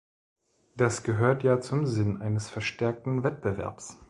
Das gehört ja zum Sinn eines verstärkten Wettbewerbs.